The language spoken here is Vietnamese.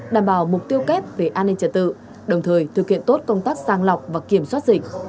đảm bảo mục tiêu kép về an ninh trật tự đồng thời thực hiện tốt công tác sang lọc và kiểm soát dịch